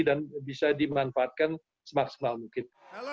dan bisa dimanfaatkan semaksimal mungkin